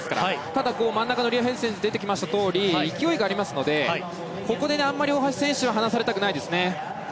ただ、真ん中の選手が出てきたとおり勢いがありますのでここで、あまり大橋選手は離されたくないですね。